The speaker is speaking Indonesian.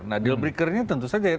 nah deal breakernya tentu saja